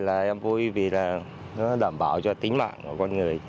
là em vui vì là nó đảm bảo cho tính mạng của con người